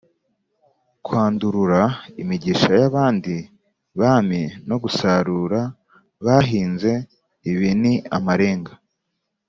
kwandurura imigisha y’abandi bami no gusarura bahinze: ibi ni amarenga